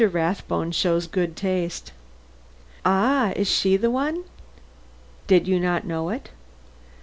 Rathbone shows good taste." "Ah, is she the one?" "Did you not know it?"